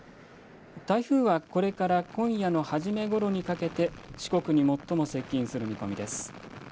台風はこれから今夜の初めごろにかけて四国に最も接近する見込みです。